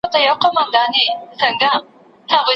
انسانان د ساتنې لارې کاروي.